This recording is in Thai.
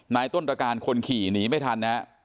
นายต้นประกาศคนขี่หนีไม่ทัน